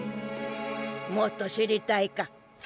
もっと知りたいか？